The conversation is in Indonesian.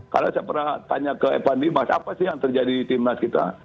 karena saya pernah tanya ke evan dimas apa sih yang terjadi di tim nas kita